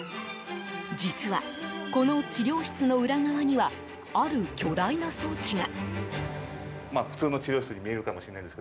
実は、この治療室の裏側にはある巨大な装置が。